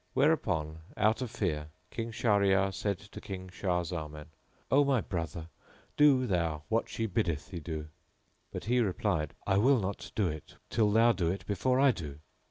Whereupon out of fear King Shahryar said to King Shah Zaman, "O my brother, do thou what she biddeth thee do;" but he replied, "I will not do it till thou do it before I do."